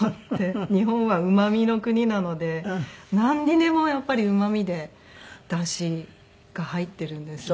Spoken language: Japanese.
日本はうまみの国なのでなんにでもやっぱりうまみでダシが入っているんですよね。